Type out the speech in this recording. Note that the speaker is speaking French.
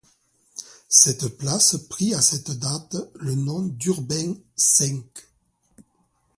Cette place prit à cette date le nom d'Urbain-V.